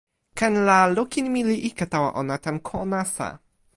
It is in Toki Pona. ken la lukin mi li ike tawa ona tan ko nasa.